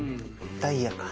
ダイヤか。